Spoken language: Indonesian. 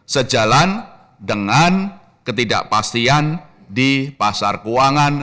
sejalan dengan ketidakpastian di pasar keuangan